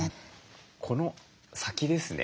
この先ですね